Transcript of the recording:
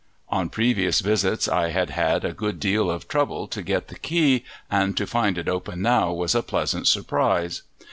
On previous visits I had had a good deal of trouble to get the key, and to find it open now was a pleasant surprise.